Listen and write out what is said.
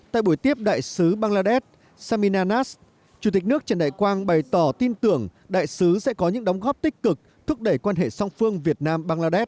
tại buổi tiếp đại sứ bangladesh samina nas chủ tịch nước trần đại quang bày tỏ tin tưởng đại sứ sẽ có những đóng góp tích cực thúc đẩy quan hệ song phương việt nam bangladesh